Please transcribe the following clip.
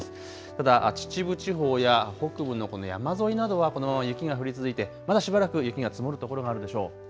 ただ秩父地方や北部の山沿いなどはこの雪が降り続いてまだしばらく雪が積もる所があるでしょう。